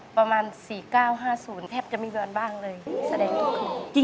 ประมาณ๔๙๕๐แทบจะไม่มีวันบ้างเลยแสดงทุกคืน